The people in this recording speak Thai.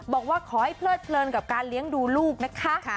บอกว่าขอให้เพลิดเพลินกับการเลี้ยงดูลูกนะคะ